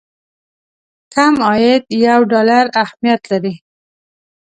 کم عاید یو ډالر اهميت لري.